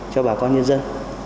cho bà con nhân dân